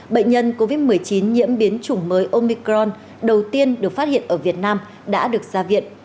bệnh nhân covid một mươi chín nhiễm biến chủng mới omicron đầu tiên được phát hiện ở việt nam đã được ra viện